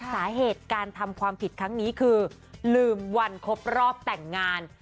สาเหตุการทำความผิดครั้งนี้คือลืมวันครบรอบแต่งงาน